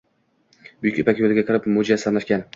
Buyuk Ipak yoʻliga kirib mujassamlashgan.